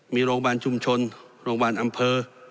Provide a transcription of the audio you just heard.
มีโรงพยาบาลชุมชนโรงพยาบาลอำเภอ